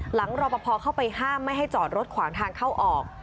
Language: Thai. รอปภเข้าไปห้ามไม่ให้จอดรถขวางทางเข้าออก